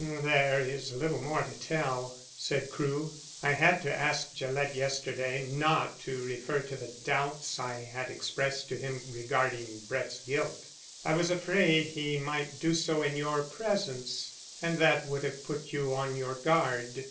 "There is little more to tell," said Crewe. "I had to ask Gillett yesterday not to refer to the doubts I had expressed to him regarding Brett's guilt. I was afraid he might do so in your presence and that would have put you on your guard.